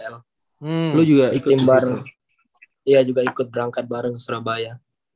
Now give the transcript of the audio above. lo juga ikut berangkat bareng surabaya